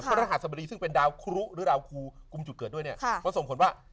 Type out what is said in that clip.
รหัสบดีซึ่งเป็นดาวครุหรือดาวครูกลุ่มจุดเกิดด้วยเนี่ยก็ส่งผลว่า